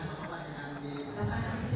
kita akan mencoba nanti